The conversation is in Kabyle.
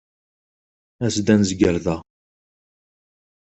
As-d ad nezger da.